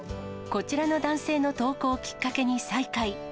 こちらの男性の投稿をきっかけに再会。